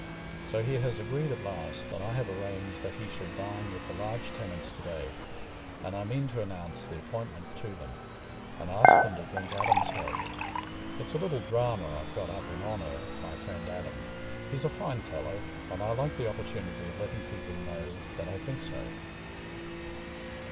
So he has agreed at last, and I have arranged that he shall dine with the large tenants to day; and I mean to announce the appointment to them, and ask them to drink Adam's health. It's a little drama I've got up in honour of my friend Adam. He's a fine fellow, and I like the opportunity of letting people know that I think so."